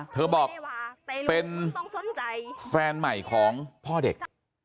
เธอบอกเป็นแฟนใหม่ของพ่อเด็ก